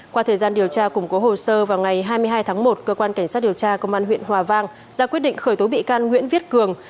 qua thời gian điều tra củng cố hồ sơ vào ngày hai mươi hai tháng một cơ quan cảnh sát điều tra công an huyện hòa vang ra quyết định khởi tố bị can nguyễn viết cường